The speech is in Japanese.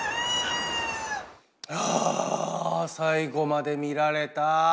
ああ最後まで見られた。